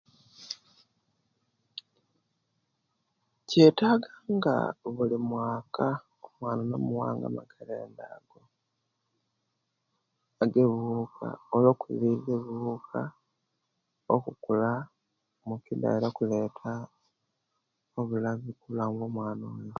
Kyetaga nga buli mwaka omwana nomuwanga amakerenda agebibuka olwo kuzizya ebibuka okukula mukida ebula okuleta obulabe kubulamu bwo mwana